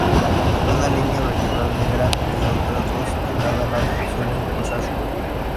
Una línea vertebral negra y otras dos a cada lado suelen cruzar su cuerpo.